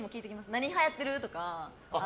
何はやってる？とか。